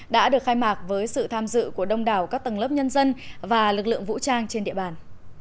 đã được khai mạc với sự tham dự của đông đảo các tầng lớp nhân dân và lực lượng vũ trang trên địa bàn